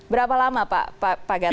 berapa lama pak gatot